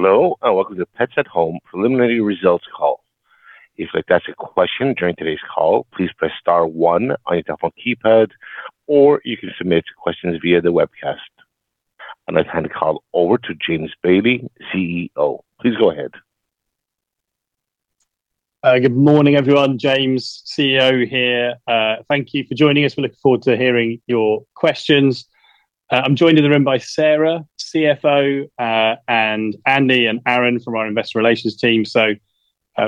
Hello, and welcome to Pets at Home preliminary results call. If you'd like to ask a question during today's call, please press star one on your telephone keypad, or you can submit questions via the webcast. I'm going to hand the call over to James Bailey, CEO. Please go ahead. Good morning, everyone. James, CEO here. Thank you for joining us. We look forward to hearing your questions. I'm joined in the room by Sarah, CFO, and Andy and Aaron from our investor relations team.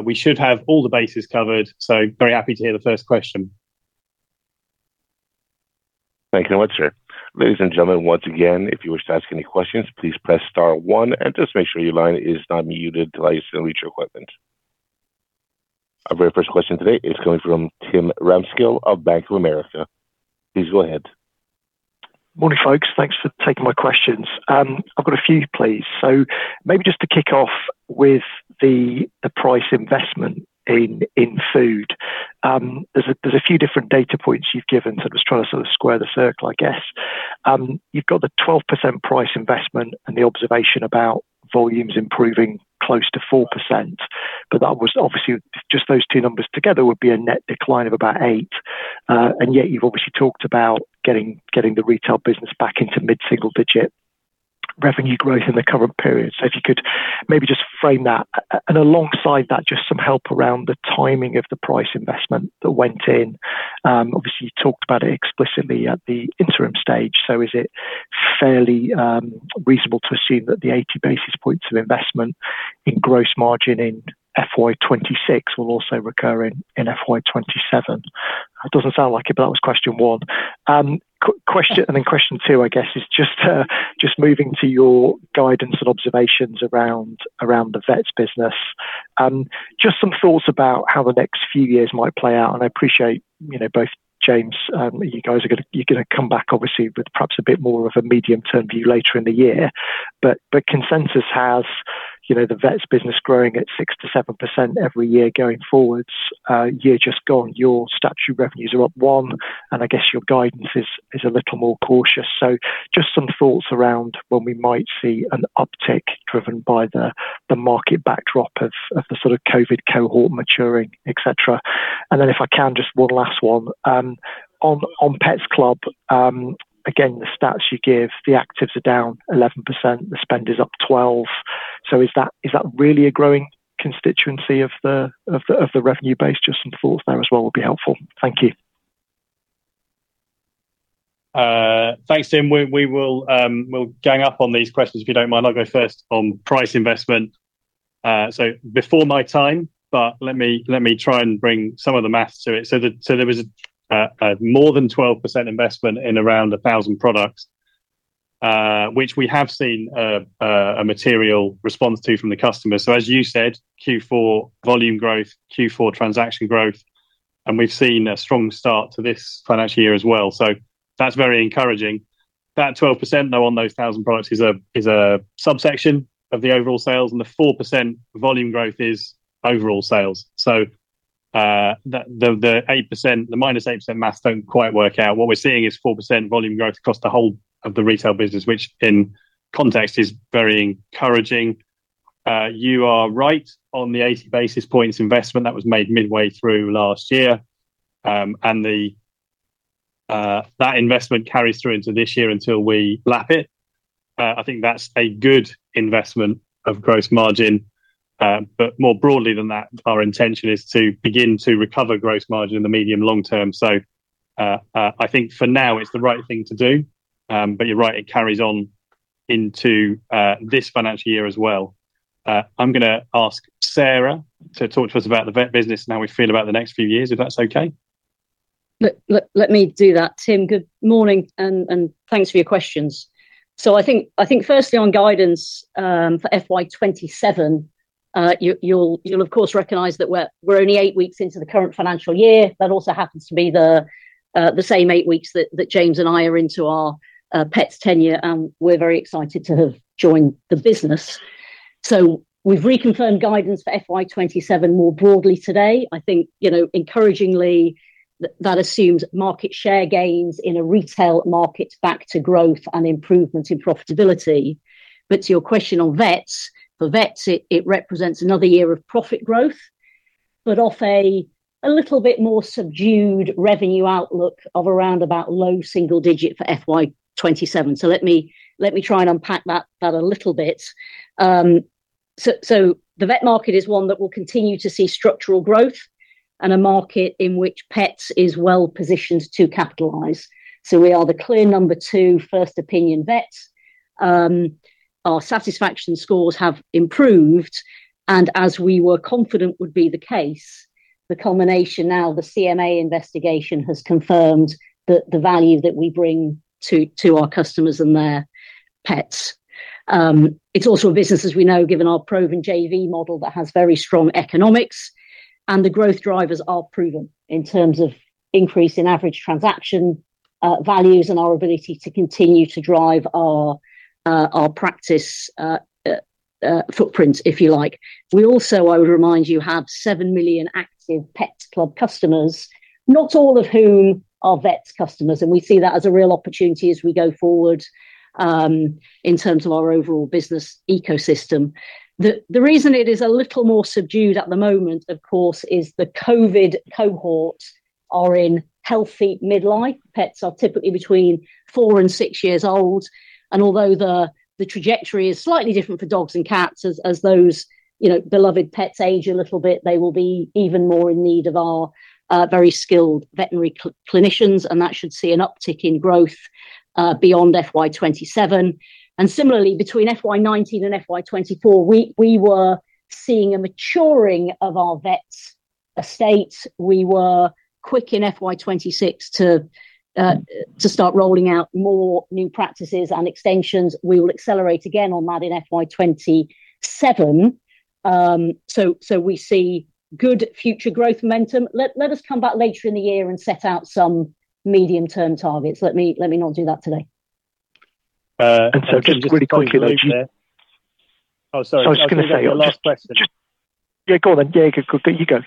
We should have all the bases covered. Very happy to hear the first question. Thank you very much, sir. Ladies and gentlemen, once again, if you wish to ask any questions, please press star one and just make sure your line is not muted until I submit your equipment. Our very first question today is coming from Tim Ramskill of Bank of America. Please go ahead. Morning, folks. Thanks for taking my questions. I've got a few, please. Maybe just to kick off with the price investment in food. There's a few different data points you've given. I'm just trying to sort of square the circle, I guess. You've got the 12% price investment and the observation about volumes improving close to 4%. That was obviously just those two numbers together would be a net decline of about 8%. You've obviously talked about getting the retail business back into mid-single digit revenue growth in the current period. If you could maybe just frame that. Alongside that, just some help around the timing of the price investment that went in. Obviously, you talked about it explicitly at the interim stage, is it fairly reasonable to assume that the 80 basis points of investment in gross margin in FY 2026 will also recur in FY 2027? It doesn't sound like it, that was question one. Then question two, I guess, is just moving to your guidance and observations around the vets business. Just some thoughts about how the next few years might play out, I appreciate both James, you guys are going to come back obviously with perhaps a bit more of a medium-term view later in the year. Consensus has the vets business growing at 6%-7% every year going forwards. Year just gone, your statutory revenues are up one, I guess your guidance is a little more cautious. Just some thoughts around when we might see an uptick driven by the market backdrop of the sort of COVID cohort maturing, et cetera. If I can, just one last one. On Pets Club, again, the stats you give, the actives are down 11%, the spend is up 12%. Is that really a growing constituency of the revenue base? Just some thoughts there as well would be helpful. Thank you. Thanks, Tim. We will gang up on these questions, if you don't mind. I'll go first on price investment. Before my time, but let me try and bring some of the math to it. There was a more than 12% investment in around 1,000 products, which we have seen a material response to from the customer. As you said, Q4 volume growth, Q4 transaction growth, and we've seen a strong start to this financial year as well. That's very encouraging. That 12%, though, on those 1,000 products is a subsection of the overall sales, and the 4% volume growth is overall sales. The -8% math don't quite work out. What we're seeing is 4% volume growth across the whole of the retail business, which in context is very encouraging. You are right on the 80 basis points investment that was made midway through last year. That investment carries through into this year until we lap it. I think that's a good investment of gross margin. More broadly than that, our intention is to begin to recover gross margin in the medium long term. I think for now it's the right thing to do. You're right, it carries on into this financial year as well. I'm going to ask Sarah to talk to us about the vet business and how we feel about the next few years, if that's okay. Let me do that. Tim, good morning, thanks for your questions. I think firstly on guidance for FY 2027, you'll of course recognize that we're only eight weeks into the current financial year. That also happens to be the same eight weeks that James and I are into our Pets tenure, we're very excited to have joined the business. We've reconfirmed guidance for FY 2027 more broadly today. I think encouragingly, that assumes market share gains in a retail market back to growth and improvement in profitability. To your question on Vets, for Vets, it represents another year of profit growth, but off a little bit more subdued revenue outlook of around about low single digit for FY 2027. Let me try and unpack that a little bit. The vet market is one that will continue to see structural growth and a market in which Pets is well positioned to capitalize. We are the clear number two first opinion vets. Our satisfaction scores have improved and as we were confident would be the case, the culmination now the CMA investigation has confirmed the value that we bring to our customers and their pets. It's also a business as we know given our proven JV model that has very strong economics and the growth drivers are proven in terms of increase in average transaction values and our ability to continue to drive our practice footprints, if you like. We also, I would remind you, have 7 million active Pets Club customers, not all of whom are vets customers, and we see that as a real opportunity as we go forward in terms of our overall business ecosystem. The reason it is a little more subdued at the moment, of course, is the COVID cohort are in healthy midlife. Pets are typically between four and six years old, and although the trajectory is slightly different for dogs and cats, as those beloved pets age a little bit, they will be even more in need of our very skilled veterinary clinicians, and that should see an uptick in growth beyond FY 2027. Similarly, between FY 2019 and FY 2024, we were seeing a maturing of our vets estates. We were quick in FY 2026 to start rolling out more new practices and extensions. We will accelerate again on that in FY 2027. We see good future growth momentum. Let us come back later in the year and set out some medium-term targets. Let me not do that today. And so just really quickly, Just to follow you there. Oh, sorry. I was going to say, Last question. Yeah, go on then. Yeah,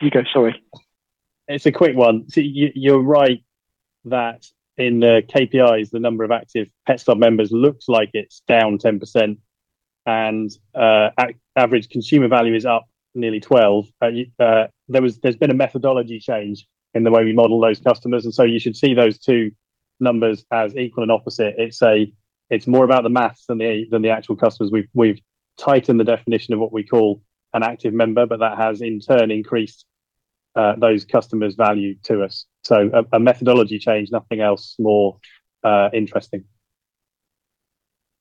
you go. Sorry. It's a quick one. You're right that in the KPIs, the number of active Pets Club members looks like it's down 10% and average consumer value is up nearly 12. There's been a methodology change in the way we model those customers, you should see those two numbers as equal and opposite. It's more about the math than the actual customers. That has in turn increased those customers' value to us. A methodology change, nothing else more interesting.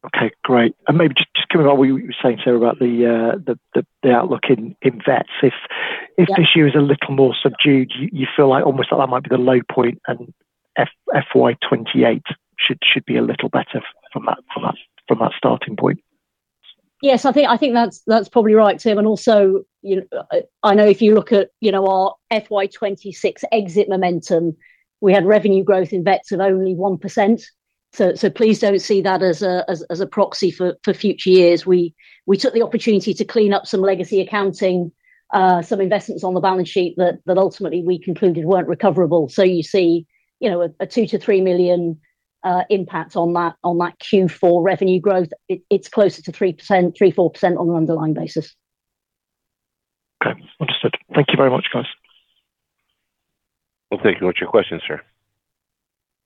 Okay, great. Maybe just coming on what you were saying, Sarah, about the outlook in Vets. If this year is a little more subdued, you feel like almost that might be the low point and FY 2028 should be a little better from that starting point? Yes, I think that's probably right, Tim. I know if you look at our FY 2026 exit momentum, we had revenue growth in vets of only 1%. Please don't see that as a proxy for future years. We took the opportunity to clean up some legacy accounting, some investments on the balance sheet that ultimately we concluded weren't recoverable. You see a 2 million-3 million impact on that Q4 revenue growth. It's closer to 3%, 3%-4% on an underlying basis. Okay, understood. Thank you very much, guys. Thank you. That's your question, sir.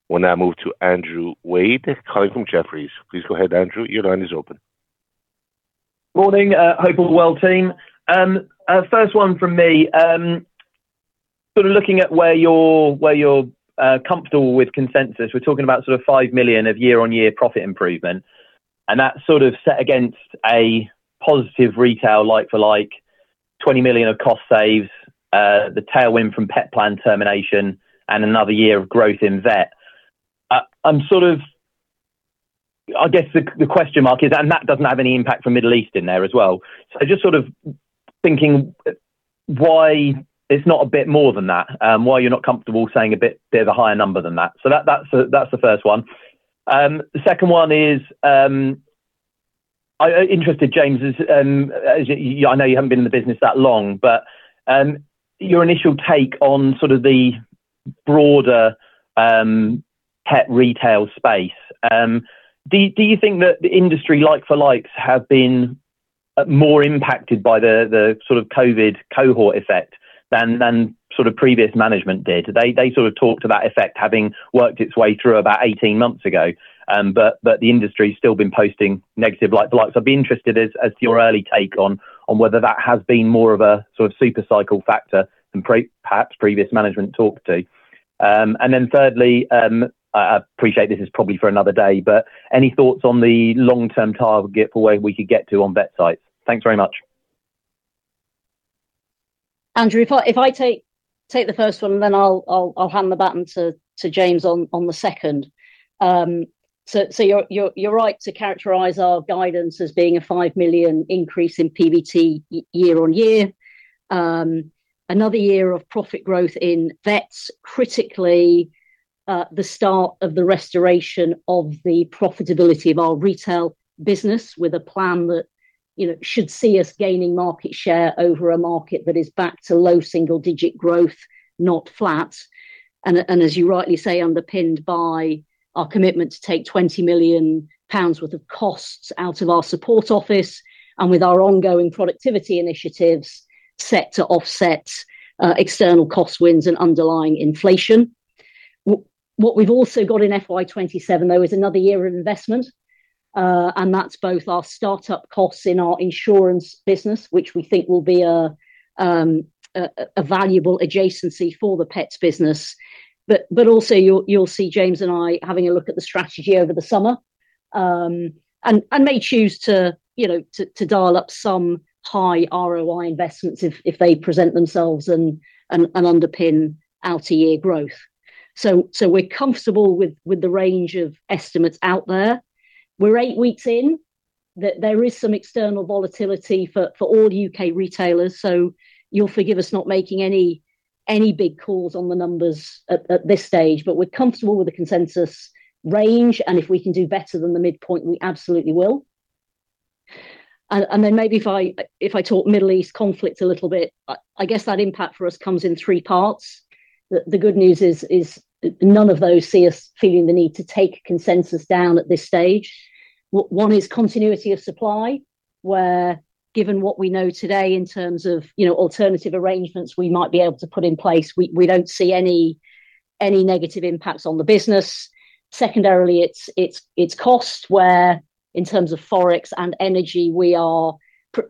We'll now move to Andrew Wade calling from Jefferies. Please go ahead, Andrew. Your line is open. Morning. Hope all well, team. First one from me, looking at where you're comfortable with consensus. That's set against a positive retail like-for-like, 20 million of cost saves, the tailwind from Petplan termination and another year of growth in vet. I guess the question mark is, that doesn't have any impact from Middle East in there as well. Just thinking why it's not a bit more than that, why you're not comfortable saying a bit of a higher number than that. That's the first one. The second one is, interested, James Bailey, as I know you haven't been in the business that long, but your initial take on the broader pet retail space. Do you think that the industry like-for-likes have been more impacted by the sort of COVID cohort effect than sort of previous management did? They sort of talked to that effect having worked its way through about 18 months ago. The industry's still been posting negative like-for-likes. I'd be interested as to your early take on whether that has been more of a sort of super cycle factor than perhaps previous management talked to. Thirdly, I appreciate this is probably for another day, but any thoughts on the long-term target for where we could get to on vet sides? Thanks very much. Andrew, if I take the first one, then I'll hand the baton to James on the second. You're right to characterize our guidance as being a 5 million increase in PBT year-over-year. Another year of profit growth in Vet Group, critically, the start of the restoration of the profitability of our retail business with a plan that should see us gaining market share over a market that is back to low single-digit growth, not flat. As you rightly say, underpinned by our commitment to take 20 million pounds worth of costs out of our support office and with our ongoing productivity initiatives set to offset external cost wins and underlying inflation. What we've also got in FY 2027, though, is another year of investment, and that's both our startup costs in our insurance business, which we think will be a valuable adjacency for the pets business. Also you'll see James and I having a look at the strategy over the summer, and may choose to dial up some high ROI investments if they present themselves and underpin out a year growth. We're comfortable with the range of estimates out there. We're eight weeks in, that there is some external volatility for all U.K. retailers, you'll forgive us not making any big calls on the numbers at this stage, we're comfortable with the consensus range, if we can do better than the midpoint, we absolutely will. Maybe if I talk Middle East conflict a little bit, I guess that impact for us comes in three parts. The good news is none of those see us feeling the need to take consensus down at this stage. One is continuity of supply, where given what we know today in terms of alternative arrangements we might be able to put in place, we don't see any negative impacts on the business. Secondarily, it's cost, where in terms of Forex and energy, we are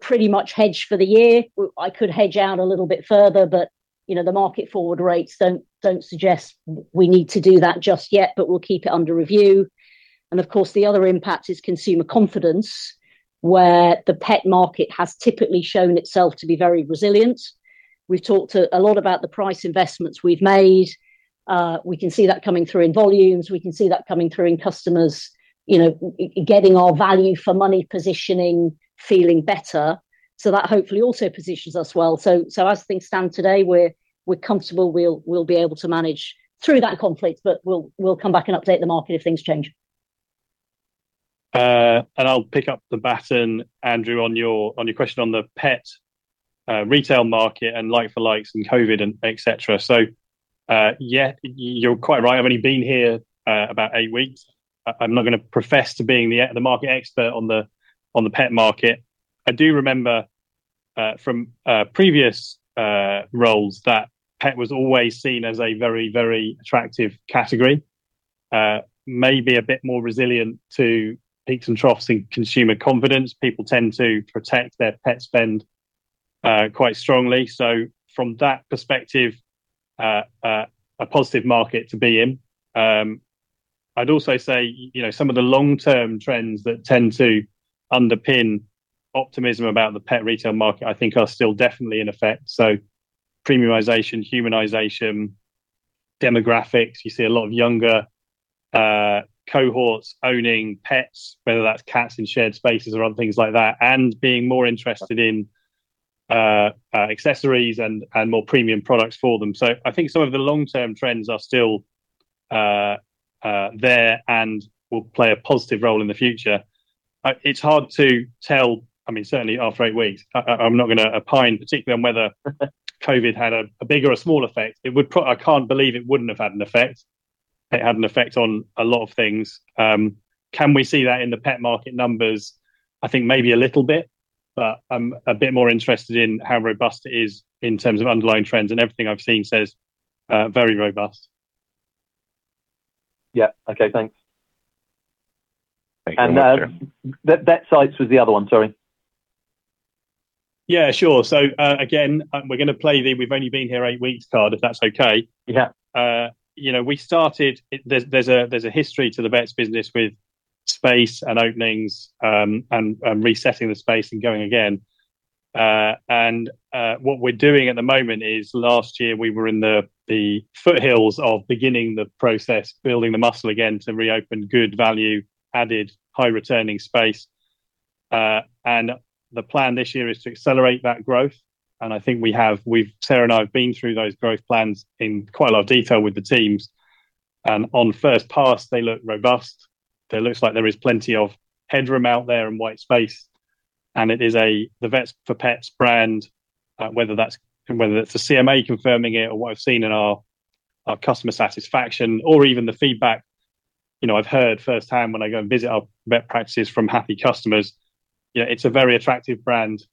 pretty much hedged for the year. I could hedge out a little bit further, but the market forward rates don't suggest we need to do that just yet, but we'll keep it under review. Of course, the other impact is consumer confidence, where the pet market has typically shown itself to be very resilient. We've talked a lot about the price investments we've made. We can see that coming through in volumes. We can see that coming through in customers, getting our value for money positioning, feeling better. That hopefully also positions us well. As things stand today, we're comfortable we'll be able to manage through that conflict, but we'll come back and update the market if things change. I'll pick up the baton, Andrew, on your question on the pet retail market and like-for-like and COVID, et cetera. Yeah, you're quite right. I've only been here about eight weeks. I'm not going to profess to being the market expert on the pet market. I do remember from previous roles that pet was always seen as a very attractive category. Maybe a bit more resilient to peaks and troughs in consumer confidence. People tend to protect their pet spend quite strongly. From that perspective, a positive market to be in. I'd also say, some of the long-term trends that tend to underpin optimism about the pet retail market, I think are still definitely in effect. Premiumization, humanization, demographics, you see a lot of younger cohorts owning pets, whether that's cats in shared spaces or other things like that, and being more interested in accessories and more premium products for them. I think some of the long-term trends are still there and will play a positive role in the future. It's hard to tell, certainly after eight weeks, I'm not going to opine particularly on whether COVID had a big or a small effect. I can't believe it wouldn't have had an effect. It had an effect on a lot of things. Can we see that in the pet market numbers? I think maybe a little bit, but I'm a bit more interested in how robust it is in terms of underlying trends, and everything I've seen says very robust. Yeah. Okay, thanks. Thank you very much, Andrew. Vet sites was the other one, sorry. Yeah, sure. We're going to play the we've only been here eight weeks card, if that's okay. Yeah. There's a history to the vets business with space and openings, and resetting the space and going again. What we're doing at the moment is last year we were in the foothills of beginning the process, building the muscle again to reopen good value added, high returning space. The plan this year is to accelerate that growth. I think we have. Sarah and I have been through those growth plans in quite a lot of detail with the teams, and on first pass, they look robust. It looks like there is plenty of headroom out there and white space, and it is the Vets4Pets brand, whether it's the CMA confirming it or what I've seen in our customer satisfaction or even the feedback I've heard firsthand when I go and visit our vet practices from happy customers. It's a very attractive brand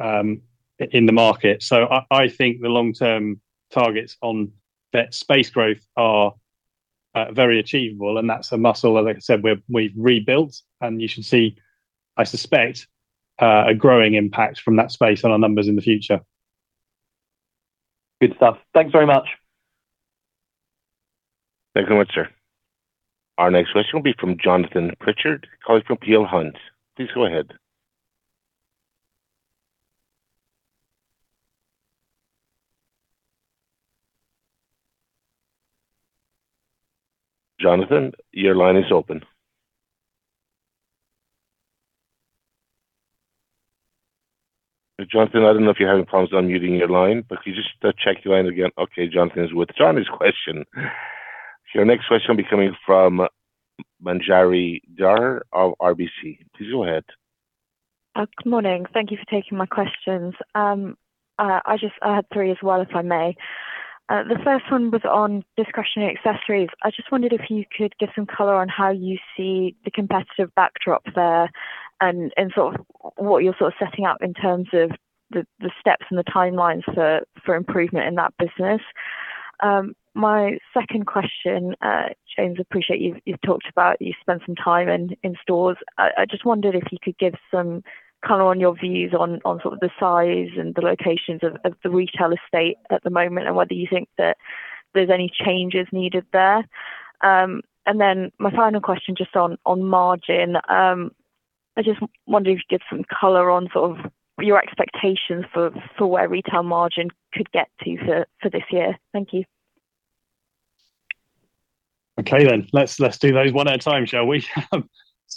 in the market. I think the long-term targets on Vet space growth are very achievable, and that's a muscle, as I said, we've rebuilt, and you should see, I suspect, a growing impact from that space on our numbers in the future. Good stuff. Thanks very much. Thank you very much, sir. Our next question will be from Jonathan Pritchard, calling from Peel Hunt. Please go ahead. Jonathan, your line is open. Jonathan, I don't know if you're having problems unmuting your line, but could you just check your lines again? Jonathan is with Jonathan's question. Your next question will be coming from Manjari Dhar of RBC Capital Markets. Please go ahead. Good morning. Thank you for taking my questions. I had three as well, if I may. The first one was on discretionary accessories. I just wondered if you could give some color on how you see the competitive backdrop there and what you're setting up in terms of the steps and the timelines for improvement in that business. My second question, James, appreciate you've talked about you've spent some time in stores. I just wondered if you could give some color on your views on the size and the locations of the retail estate at the moment, and whether you think that there's any changes needed there. Then my final question just on margin. I just wondered if you could give some color on your expectations for where retail margin could get to for this year. Thank you. Okay. Let's do those one at a time, shall we?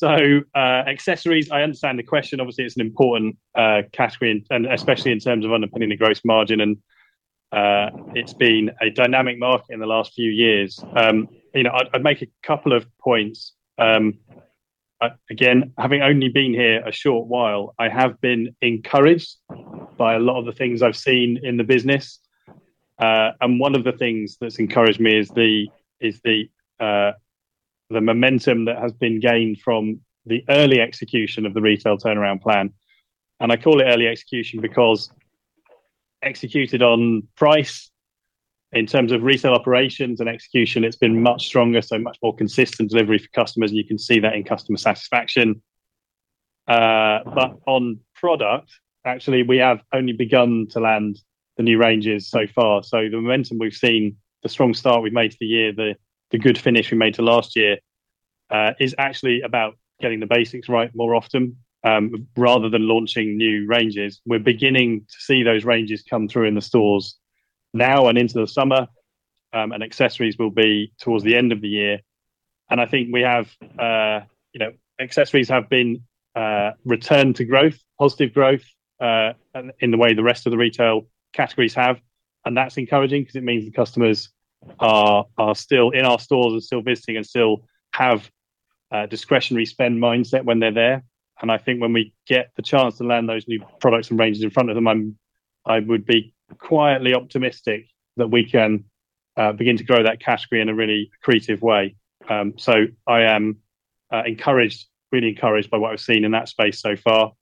Accessories, I understand the question. Obviously, it's an important category, especially in terms of underpinning the gross margin, and it's been a dynamic market in the last few years. I'd make a couple of points. Again, having only been here a short while, I have been encouraged by a lot of the things I've seen in the business. One of the things that's encouraged me is the momentum that has been gained from the early execution of the retail turnaround plan. I call it early execution because executed on price in terms of retail operations and execution, it's been much stronger, so much more consistent delivery for customers and you can see that in customer satisfaction. On product, actually, we have only begun to land the new ranges so far. The momentum we've seen, the strong start we've made to the year, the good finish we made to last year, is actually about getting the basics right more often, rather than launching new ranges. We're beginning to see those ranges come through in the stores now and into the summer, and accessories will be towards the end of the year. I think accessories have been returned to growth, positive growth, in the way the rest of the retail categories have. That's encouraging because it means the customers are still in our stores and still visiting and still have discretionary spend mindset when they're there. I think when we get the chance to land those new products and ranges in front of them, I would be quietly optimistic that we can begin to grow that category in a really accretive way. I am encouraged, really encouraged by what I've seen in that space so far.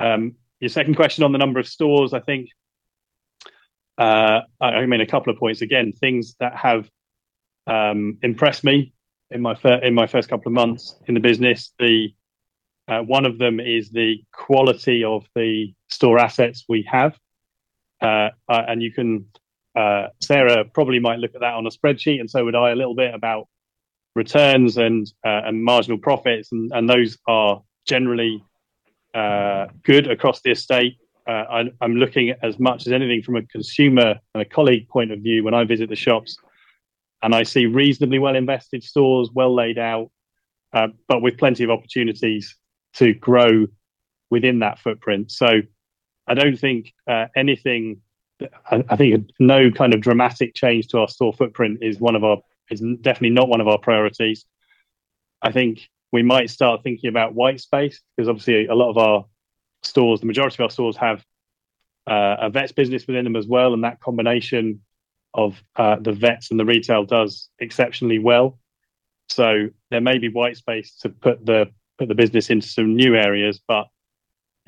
Your second question on the number of stores, I think I made a couple of points. Things that have impressed me in my first couple of months in the business, one of them is the quality of the store assets we have. Sarah probably might look at that on a spreadsheet, and so would I a little bit about returns and marginal profits, and those are generally good across the estate. I'm looking at as much as anything from a consumer and a colleague point of view when I visit the shops, and I see reasonably well invested stores, well laid out, but with plenty of opportunities to grow within that footprint. I think no kind of dramatic change to our store footprint is definitely not one of our priorities. I think we might start thinking about white space because obviously a lot of our stores, the majority of our stores have a vets business within them as well, and that combination of the vets and the retail does exceptionally well.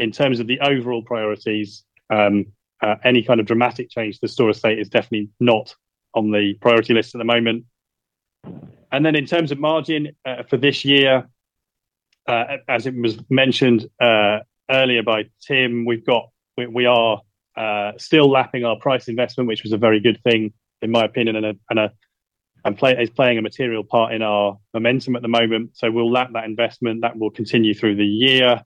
In terms of the overall priorities, any kind of dramatic change to the store estate is definitely not on the priority list at the moment. In terms of margin for this year, as it was mentioned earlier by Tim, we are still lapping our price investment, which was a very good thing in my opinion, and is playing a material part in our momentum at the moment. We'll lap that investment. That will continue through the year.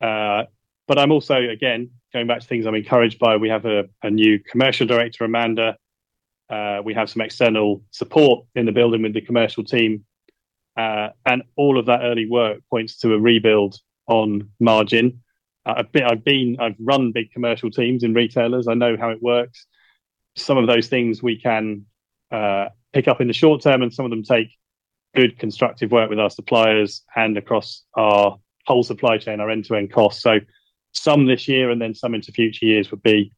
I'm also, again, going back to things I'm encouraged by, we have a new commercial director, Amanda. We have some external support in the building with the commercial team. All of that early work points to a rebuild on margin. I've run big commercial teams in retailers. I know how it works. Some of those things we can pick up in the short term, and some of them take good constructive work with our suppliers and across our whole supply chain, our end to end costs. Some this year and then some into future years would be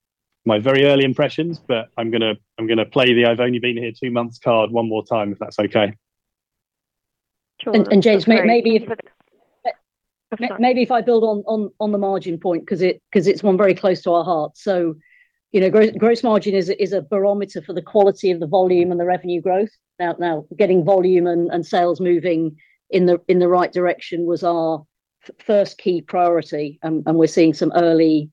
my very early impressions, but I'm going to play the I've only been here two months card one more time if that's okay. Sure. That's great. James, maybe if I build on the margin point because it's one very close to our hearts. Gross margin is a barometer for the quality of the volume and the revenue growth. Getting volume and sales moving in the right direction was our first key priority, and we're seeing some early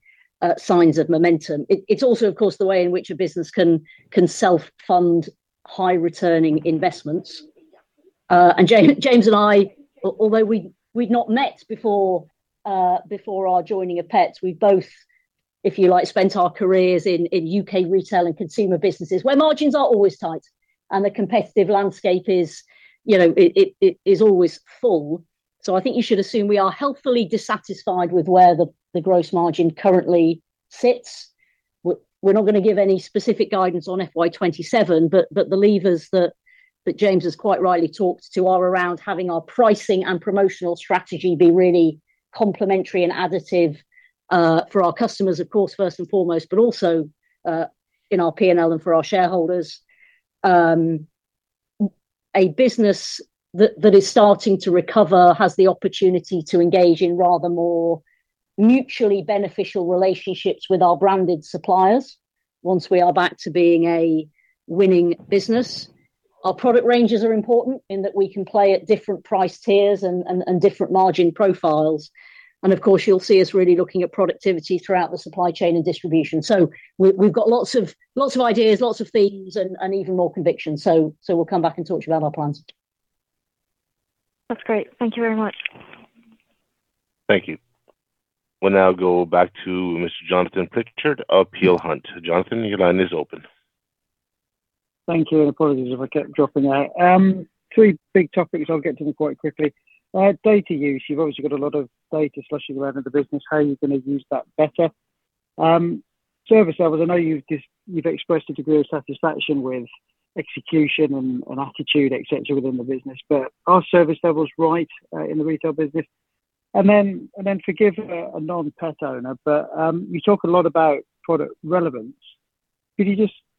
signs of momentum. It's also, of course, the way in which a business can self-fund high returning investments. James and I, although we'd not met before our joining of Pets, we both, if you like, spent our careers in U.K. retail and consumer businesses where margins are always tight and the competitive landscape is always full. I think you should assume we are healthily dissatisfied with where the gross margin currently sits. We're not going to give any specific guidance on FY27, but the levers that James has quite rightly talked to are around having our pricing and promotional strategy be really complementary and additive for our customers, of course, first and foremost, but also in our P&L and for our shareholders. A business that is starting to recover has the opportunity to engage in rather more mutually beneficial relationships with our branded suppliers once we are back to being a winning business. Our product ranges are important in that we can play at different price tiers and different margin profiles. Of course, you'll see us really looking at productivity throughout the supply chain and distribution. We've got lots of ideas, lots of themes, and even more conviction. We'll come back and talk to you about our plans. That's great. Thank you very much. Thank you. We'll now go back to Mr. Jonathan Pritchard of Peel Hunt. Jonathan, your line is open. Thank you, and apologies if I kept dropping out. Three big topics, I'll get to them quite quickly. Data use. You've obviously got a lot of data sloshing around in the business. How are you going to use that better? Service levels. I know you've expressed a degree of satisfaction with execution and attitude, et cetera, within the business, but are service levels right in the retail business? Forgive a non-pet owner, but you talk a lot about product relevance. Could you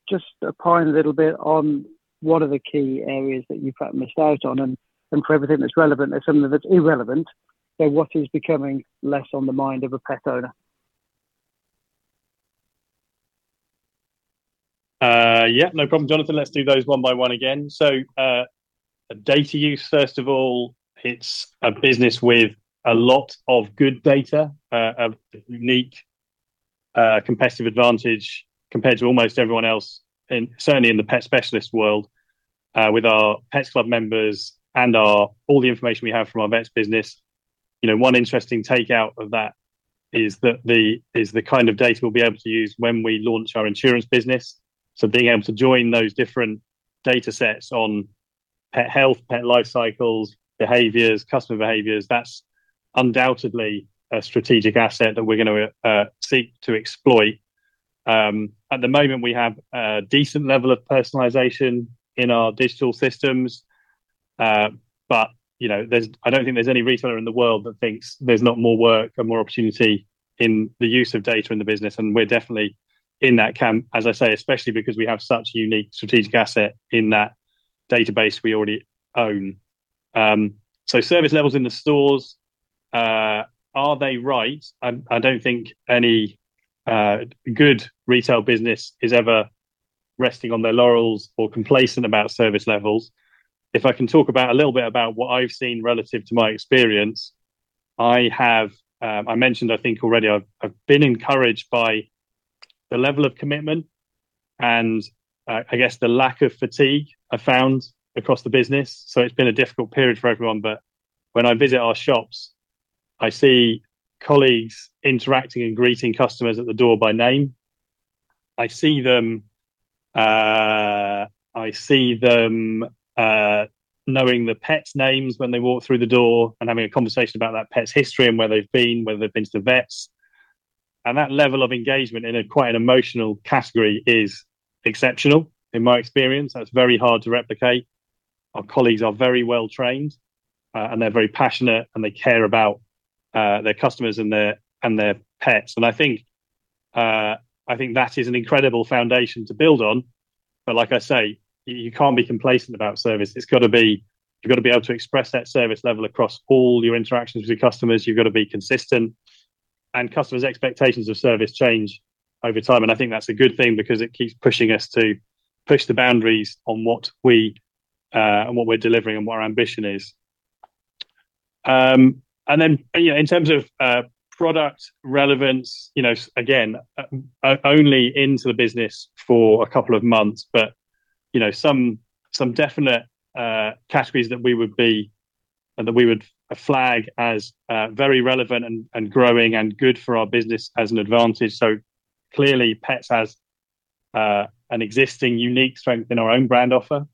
just opine a little bit on what are the key areas that you've missed out on, and for everything that's relevant, there's some of it that's irrelevant. What is becoming less on the mind of a pet owner? Yeah, no problem, Jonathan. Let's do those one by one again. Data use, first of all, it's a business with a lot of good data, a unique competitive advantage compared to almost everyone else, certainly in the pet specialist world, with our Pets Club members and all the information we have from our vets business. One interesting takeout of that is the kind of data we'll be able to use when we launch our insurance business. Being able to join those different data sets on pet health, pet life cycles, behaviors, customer behaviors, that's undoubtedly a strategic asset that we're going to seek to exploit. At the moment, we have a decent level of personalization in our digital systems. I don't think there's any retailer in the world that thinks there's not more work and more opportunity in the use of data in the business, and we're definitely in that camp, as I say, especially because we have such a unique strategic asset in that database we already own. Service levels in the stores, are they right? I don't think any good retail business is ever resting on their laurels or complacent about service levels. If I can talk a little bit about what I've seen relative to my experience, I mentioned I think already, I've been encouraged by the level of commitment and I guess the lack of fatigue I found across the business. It's been a difficult period for everyone, but when I visit our shops, I see colleagues interacting and greeting customers at the door by name. I see them knowing the pets' names when they walk through the door and having a conversation about that pet's history and where they've been, whether they've been to the vets. That level of engagement in quite an emotional category is exceptional in my experience. That's very hard to replicate. Our colleagues are very well trained, and they're very passionate, and they care about their customers and their pets. I think that is an incredible foundation to build on. Like I say, you can't be complacent about service. You've got to be able to express that service level across all your interactions with your customers. You've got to be consistent. Customers' expectations of service change over time, and I think that's a good thing because it keeps pushing us to push the boundaries on what we're delivering and what our ambition is. Then, in terms of product relevance, again, only into the business for a couple of months, but some definite categories that we would flag as very relevant and growing and good for our business as an advantage. Clearly, Pets has an existing unique strength in our own brand offer.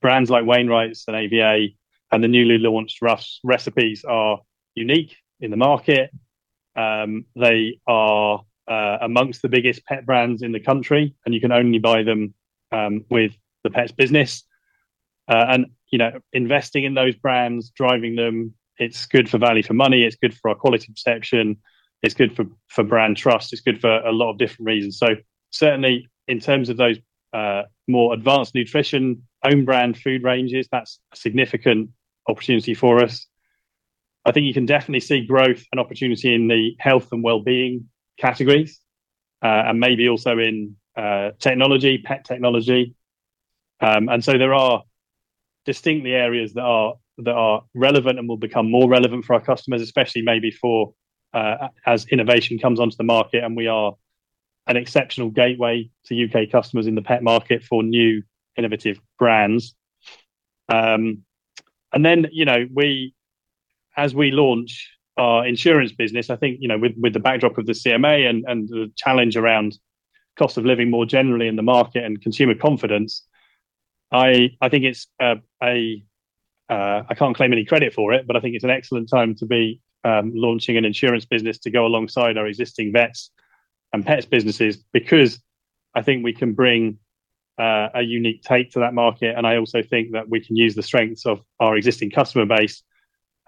Brands like Wainwright's and AVA and the newly launched Ruff's Recipes are unique in the market. They are amongst the biggest pet brands in the country, and you can only buy them with the Pets business. Investing in those brands, driving them, it's good for value for money, it's good for our quality perception, it's good for brand trust, it's good for a lot of different reasons. Certainly in terms of those more advanced nutrition, own brand food ranges, that's a significant opportunity for us. I think you can definitely see growth and opportunity in the health and wellbeing categories, and maybe also in pet technology. There are distinctly areas that are relevant and will become more relevant for our customers, especially maybe as innovation comes onto the market, and we are an exceptional gateway to U.K. customers in the pet market for new, innovative brands. Then, as we launch our insurance business, I think with the backdrop of the CMA and the challenge around cost of living more generally in the market and consumer confidence, I can't claim any credit for it, but I think it's an excellent time to be launching an insurance business to go alongside our existing vets and pets businesses, because I think we can bring a unique take to that market. I also think that we can use the strengths of our existing customer base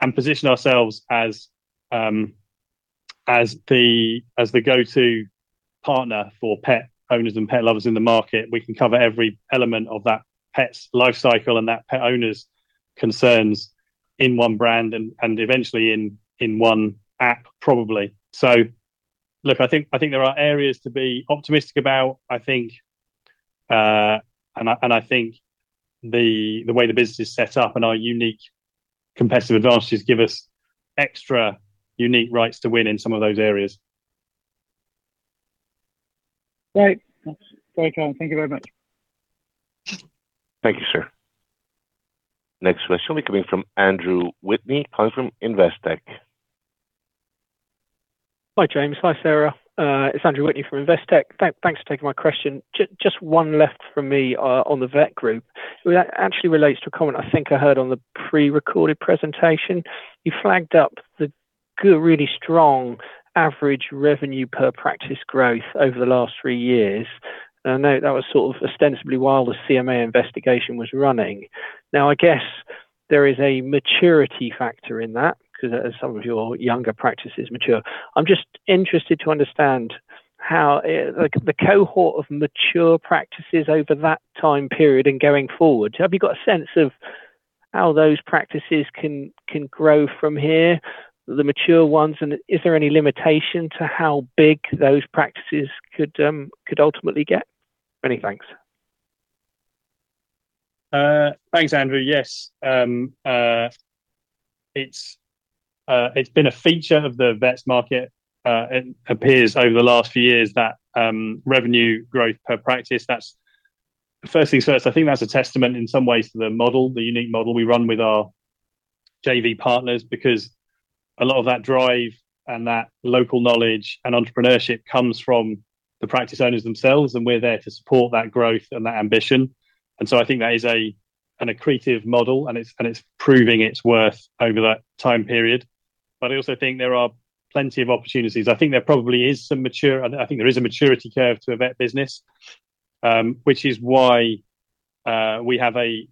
and position ourselves as the go-to partner for pet owners and pet lovers in the market. We can cover every element of that pet's life cycle and that pet owner's concerns in one brand and eventually in one app probably. Look, I think there are areas to be optimistic about. I think the way the business is set up and our unique competitive advantages give us extra unique rights to win in some of those areas. Great. Thanks. Great, James. Thank you very much. Thank you, sir. Next question will be coming from Andrew Whitney coming from Investec. Hi, James. Hi, Sarah. It's Andrew Whitney from Investec. Thanks for taking my question. Just one left from me on the Vet Group. It actually relates to a comment I think I heard on the prerecorded presentation. You flagged up the really strong average revenue per practice growth over the last three years. I know that was ostensibly while the CMA investigation was running. I guess there is a maturity factor in that because as some of your younger practices mature. I'm just interested to understand how, the cohort of mature practices over that time period and going forward, have you got a sense of how those practices can grow from here, the mature ones? Is there any limitation to how big those practices could ultimately get? Many thanks. Thanks, Andrew. Yes. It's been a feature of the vets market, it appears over the last few years that revenue growth per practice. Firstly first, I think that's a testament in some ways to the model, the unique model we run with our JV partners because a lot of that drive and that local knowledge and entrepreneurship comes from the practice owners themselves, and we're there to support that growth and that ambition. I think that is an accretive model, and it's proving its worth over that time period. I also think there are plenty of opportunities. I think there is a maturity curve to a vet business, which is why we have a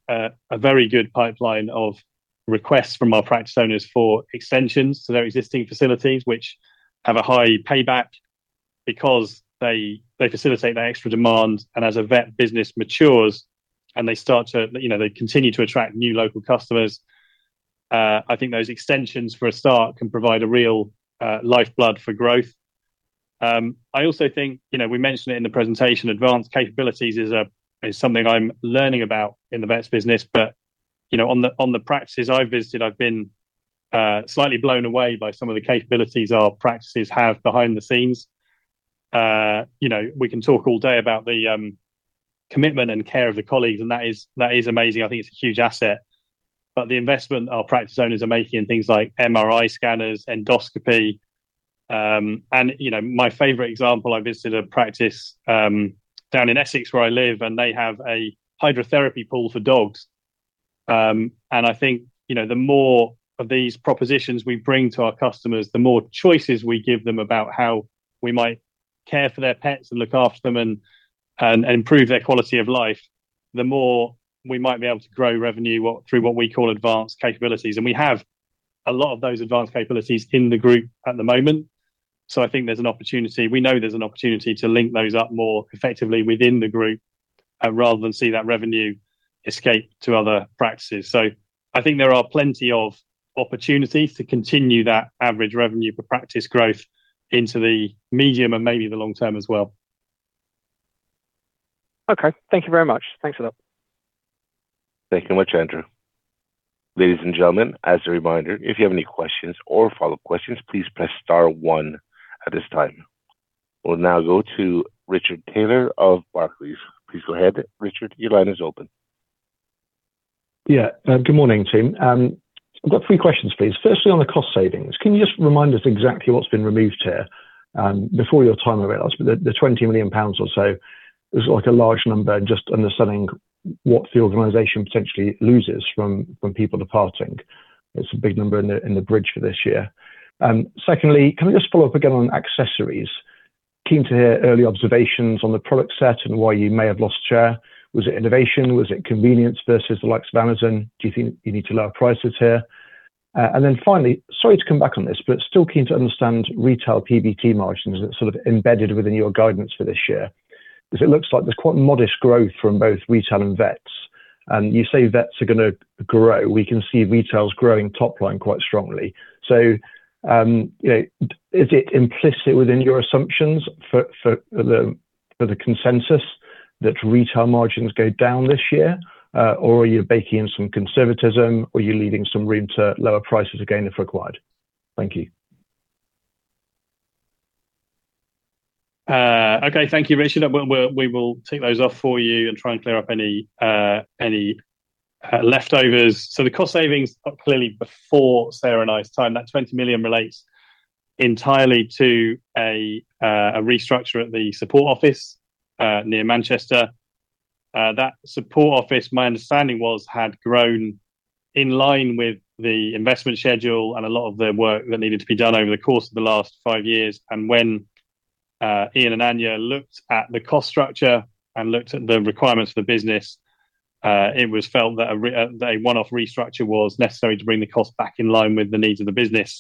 very good pipeline of requests from our practice owners for extensions to their existing facilities, which have a high payback because they facilitate that extra demand. As a vet business matures and they continue to attract new local customers, I think those extensions for a start can provide a real lifeblood for growth. I also think, we mentioned it in the presentation, advanced capabilities is something I'm learning about in the vets business. On the practices I've visited, I've been slightly blown away by some of the capabilities our practices have behind the scenes. We can talk all day about the commitment and care of the colleagues, and that is amazing. I think it's a huge asset. The investment our practice owners are making in things like MRI scanners, endoscopy. My favorite example, I visited a practice down in Essex where I live, and they have a hydrotherapy pool for dogs. I think, the more of these propositions we bring to our customers, the more choices we give them about how we might care for their pets and look after them and improve their quality of life, the more we might be able to grow revenue through what we call advanced capabilities. We have a lot of those advanced capabilities in the group at the moment. I think there's an opportunity, we know there's an opportunity to link those up more effectively within the group rather than see that revenue escape to other practices. I think there are plenty of opportunities to continue that average revenue per practice growth into the medium and maybe the long term as well. Okay. Thank you very much. Thanks for that. Thank you very much, Andrew. Ladies and gentlemen, as a reminder, if you have any questions or follow-up questions, please press star one at this time. We'll now go to Richard Taylor of Barclays. Please go ahead, Richard. Yeah. Good morning, team. I've got three questions, please. Firstly, on the cost savings, can you just remind us exactly what's been removed here? Before your time, I realize, but the 20 million pounds or so is a large number, just understanding what the organization potentially loses from people departing. It's a big number in the bridge for this year. Secondly, can I just follow up again on accessories? Keen to hear early observations on the product set and why you may have lost share. Was it innovation? Was it convenience versus the likes of Amazon? Do you think you need to lower prices here? Finally, sorry to come back on this, but still keen to understand retail PBT margins that's embedded within your guidance for this year. It looks like there's quite modest growth from both retail and vets. You say vets are going to grow. We can see retail's growing top line quite strongly. Is it implicit within your assumptions for the consensus that retail margins go down this year? Are you baking in some conservatism? You're leaving some room to lower prices again if required? Thank you. Okay. Thank you, Richard. We will take those off for you and try and clear up any leftovers. The cost savings are clearly before Sarah and I's time. That 20 million relates entirely to a restructure at the support office, near Manchester. That support office, my understanding, was had grown in line with the investment schedule and a lot of the work that needed to be done over the course of the last five years. When Ian and Anya looked at the cost structure and looked at the requirements for the business, it was felt that a one-off restructure was necessary to bring the cost back in line with the needs of the business.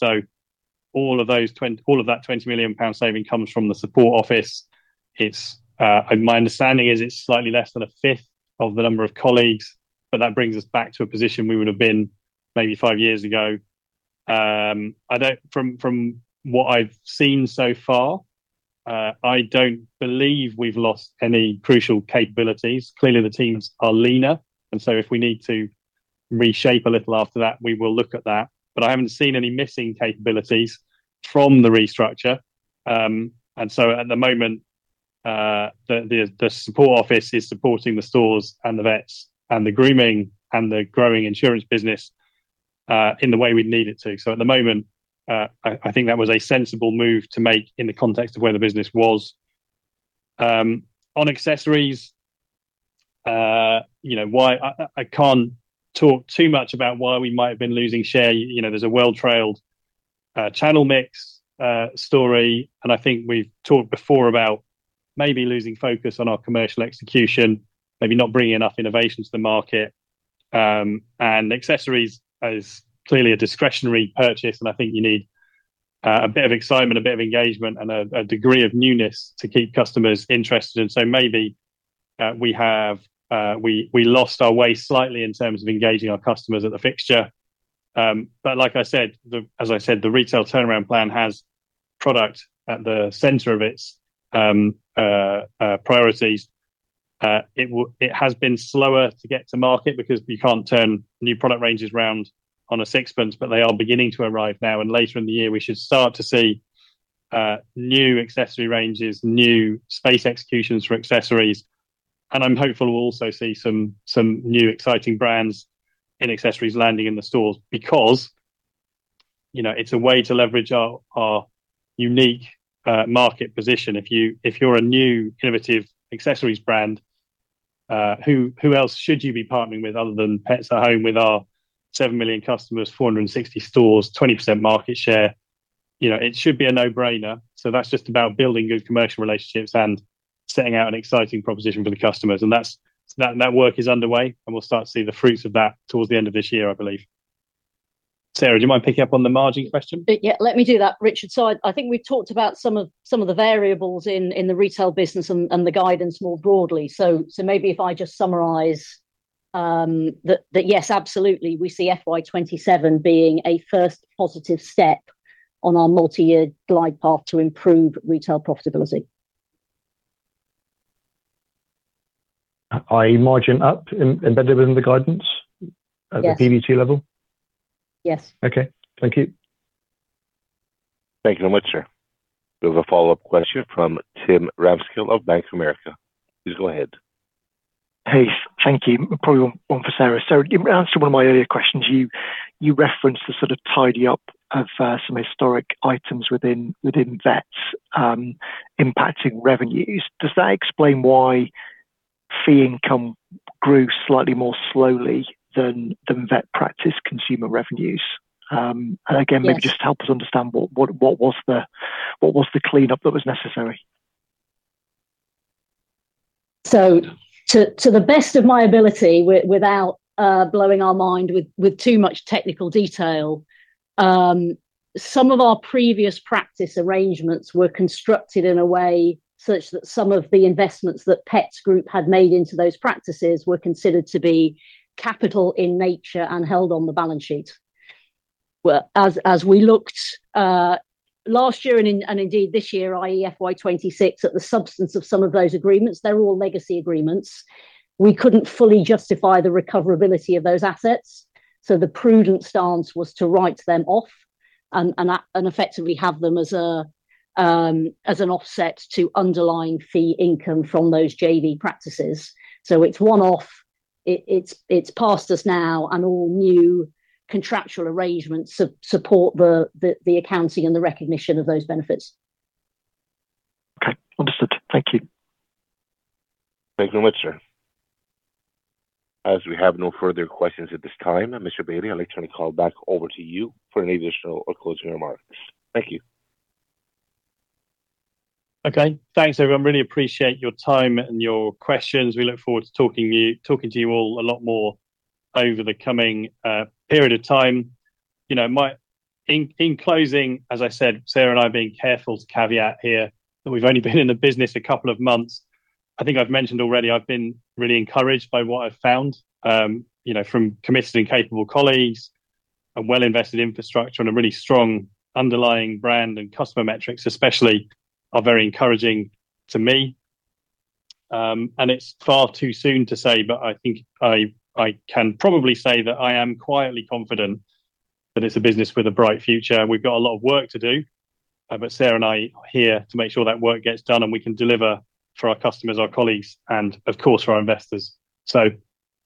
All of that 20 million pound saving comes from the support office. My understanding is it's slightly less than a fifth of the number of colleagues. That brings us back to a position we would have been maybe five years ago. From what I've seen so far, I don't believe we've lost any crucial capabilities. Clearly, the teams are leaner. If we need to reshape a little after that, we will look at that. I haven't seen any missing capabilities from the restructure. At the moment, the support office is supporting the stores and the Vets and the grooming and the growing insurance business in the way we need it to. At the moment, I think that was a sensible move to make in the context of where the business was. On accessories, I can't talk too much about why we might have been losing share. There's a well-trailed channel mix story, and I think we've talked before about maybe losing focus on our commercial execution, maybe not bringing enough innovation to the market. Accessories is clearly a discretionary purchase, and I think you need a bit of excitement, a bit of engagement, and a degree of newness to keep customers interested in. Maybe we lost our way slightly in terms of engaging our customers at the fixture. As I said, the retail turnaround plan has product at the center of its priorities. It has been slower to get to market because you can't turn new product ranges around on a sixpence, but they are beginning to arrive now. Later in the year, we should start to see new accessory ranges, new space executions for accessories. I'm hopeful we'll also see some new exciting brands in accessories landing in the stores because it's a way to leverage our unique market position. If you're a new innovative accessories brand, who else should you be partnering with other than Pets at Home with our 7 million customers, 460 stores, 20% market share? It should be a no-brainer. That's just about building good commercial relationships and setting out an exciting proposition for the customers. That work is underway, and we'll start to see the fruits of that towards the end of this year, I believe. Sarah, do you mind picking up on the margin question? Yeah, let me do that, Richard. I think we've talked about some of the variables in the retail business and the guidance more broadly. Maybe if I just summarize that yes, absolutely, we see FY 2027 being a first positive step on our multi-year glide path to improve retail profitability. IE margin up embedded within the guidance. Yes. At the PBT level? Yes. Okay. Thank you. Thank you very much, sir. We have a follow-up question from Tim Ramskill of Bank of America. Please go ahead. Hey, thank you. Probably one for Sarah. Sarah, in answer to one of my earlier questions, you referenced the sort of tidy up of some historic items within vets impacting revenues. Does that explain why fee income grew slightly more slowly than vet practice consumer revenues? Yes. Just help us understand what was the cleanup that was necessary? To the best of my ability, without blowing our mind with too much technical detail, some of our previous practice arrangements were constructed in a way such that some of the investments that Pets Group had made into those practices were considered to be capital in nature and held on the balance sheet. As we looked last year and indeed this year, IE FY 2026, at the substance of some of those agreements, they're all legacy agreements. We couldn't fully justify the recoverability of those assets, so the prudent stance was to write them off and effectively have them as an offset to underlying fee income from those JV practices. It's one-off. It's past us now, and all new contractual arrangements support the accounting and the recognition of those benefits. Okay, understood. Thank you. Thank you very much, sir. As we have no further questions at this time, Mr. Bailey, I'd like to call back over to you for any additional or closing remarks. Thank you. Okay. Thanks, everyone. Really appreciate your time and your questions. We look forward to talking to you all a lot more over the coming period of time. In closing, as I said, Sarah and I are being careful to caveat here that we've only been in the business a couple of months. I think I've mentioned already, I've been really encouraged by what I've found. From committed and capable colleagues and well-invested infrastructure and a really strong underlying brand and customer metrics especially are very encouraging to me. It's far too soon to say, but I think I can probably say that I am quietly confident that it's a business with a bright future. We've got a lot of work to do, but Sarah and I are here to make sure that work gets done, and we can deliver for our customers, our colleagues, and of course, for our investors.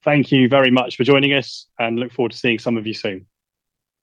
Thank you very much for joining us, and look forward to seeing some of you soon.